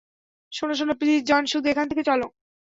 শোনো, শোনো-- please John, শুধু এখান থেকে চলো।